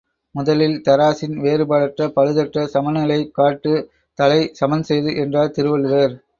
முதலில் தராசின் வேறுபாடற்ற பழுதற்ற சமன் நிலையைக் காட்டு தலை, சமன்செய்து என்றார் திருவள்ளுவர்.